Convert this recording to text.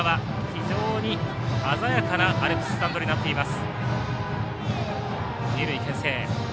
非常に鮮やかなアルプススタンドになっています。